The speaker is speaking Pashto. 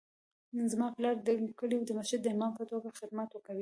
زما پلار د کلي د مسجد د امام په توګه خدمت کوي